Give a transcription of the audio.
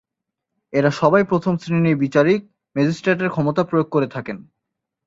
এরা সবাই প্রথম শ্রেণির বিচারিক ম্যাজিস্ট্রেটের ক্ষমতা প্রয়োগ করে থাকেন।